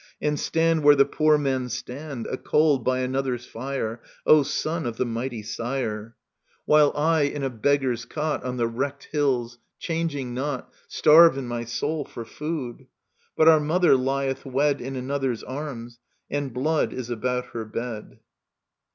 And stand where the poor men stand, A cold by another's fire, O son of the mighty sire : Digitized by VjOOQIC ELECTRA 13 While I in a beggar's cot On the wrecked hills, changing not, Starve in my soul for food ; But our mother lieth wed In another's arms, and blood . Is about her bed.